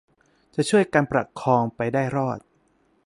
จะช่วยกันประคองไปได้รอด